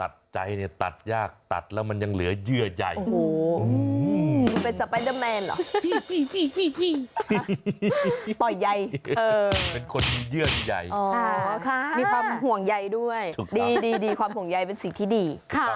ดีความผงใยเป็นสิ่งที่ดี